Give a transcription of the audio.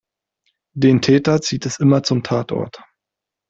Den Täter zieht es immer zum Tatort.